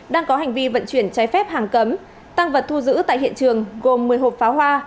đang có hành vi vận chuyển trái phép hàng cấm tăng vật thu giữ tại hiện trường gồm một mươi hộp pháo hoa